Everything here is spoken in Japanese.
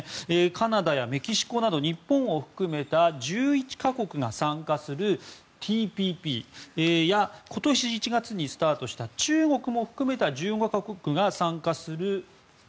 カナダやメキシコなど日本を含めた１１か国が参加するＴＰＰや今年１月にスタートした中国も含めた１５か国が参加するＲＣＥＰ